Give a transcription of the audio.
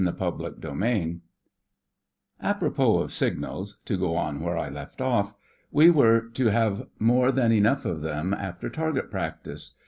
CHAPTER III Apropos of signals—to go on where I left off—we were to have more than enough of them after target practice.